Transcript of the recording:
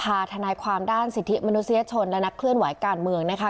ทนายความด้านสิทธิมนุษยชนและนักเคลื่อนไหวการเมืองนะคะ